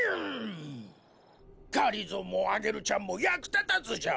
がりぞーもアゲルちゃんもやくたたずじゃ。